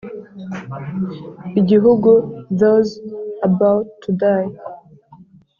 igihugu Those About to Die